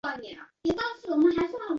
零至六个月之